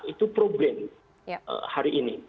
itu problem hari ini